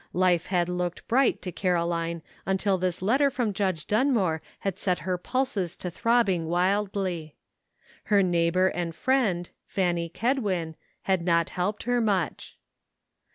Life had looked bright to Caroline until this letter from Judge Dunmore had set her pulses to throbbing wildly. Her neighbor and friend, Fanny Kedwin, had not helped her much.